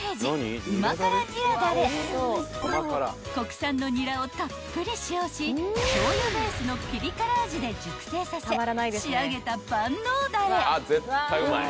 ［国産のニラをたっぷり使用ししょうゆベースのピリ辛味で熟成させ仕上げた万能だれ］